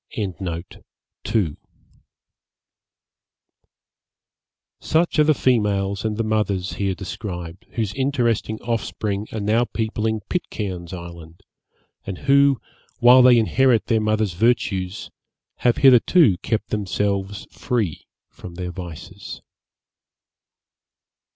' Such are the females and the mothers here described, whose interesting offspring are now peopling Pitcairn's Island, and who, while they inherit their mothers' virtues, have hitherto kept themselves free from their vices.